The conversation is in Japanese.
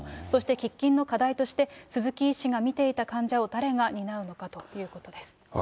そして、喫緊の課題として、鈴木医師が見ていた患者を誰が担うのかということです。